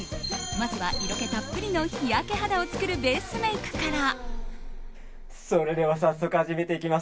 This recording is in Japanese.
まずは、色気たっぷりの日焼け肌を作るベースメイクから。